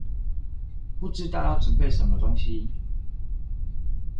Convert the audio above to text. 不知道要準備什麼東西